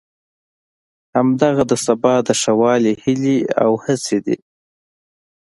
همدغه د سبا د ښه والي هیلې او هڅې دي.